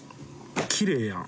きれいやん。